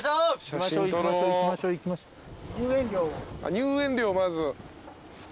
入園料をまず。